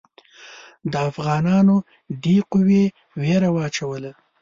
د افغانانو دې قوې وېره واچوله.